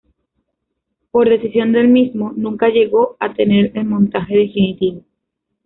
Por decisión del mismo nunca llegó a tener el montaje definitivo.